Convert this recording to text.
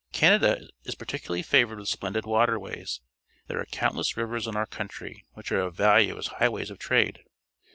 Canada is particularly favoured with splendid waterways. There are countless rivers in our country wliich are of ^ alue as highwaj's of trade.